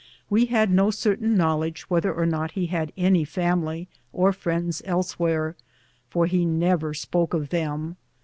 We had no certain knowledge whether or not he had any family or friends elsewhere, for he never spoke of them.